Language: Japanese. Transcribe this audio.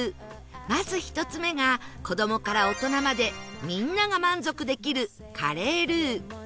まず１つ目が子どもから大人までみんなが満足できるカレールー